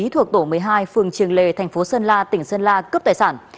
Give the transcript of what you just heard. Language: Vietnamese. thuộc tổ một mươi hai phường triềng lề thành phố sơn la tỉnh sơn la cướp tài sản